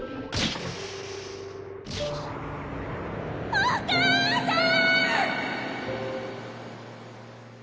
お母さーん！